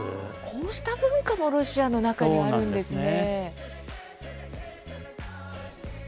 こうした文化もロシアの中にはあるんですね。